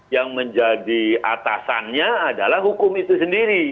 yang menjadi atasannya adalah hukum itu sendiri